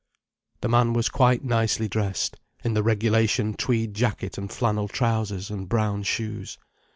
The man was quite nicely dressed, in the regulation tweed jacket and flannel trousers and brown shoes.